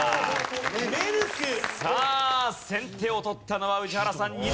先手を取ったのは宇治原さん。